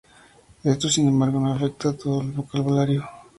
Esto, sin embargo, no afecta a todo el vocabulario.